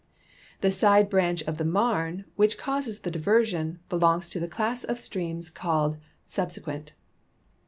The side branch of the Marne, wliich causes the div'crsion, ]>elongs to the class of streams called sulm qaent.